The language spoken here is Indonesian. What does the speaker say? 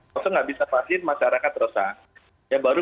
nanti nggak bisa vaksin masyarakat terus